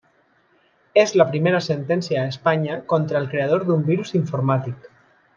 És la primera sentència a Espanya contra el creador d'un virus informàtic.